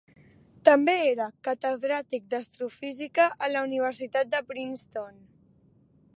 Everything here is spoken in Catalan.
També era catedràtic d'astrofísica a la Universitat de Princeton.